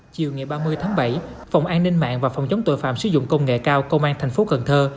chiều ngày ba mươi tháng bảy phòng an ninh mạng và phòng chống tội phạm sử dụng công nghệ cao công an thành phố cần thơ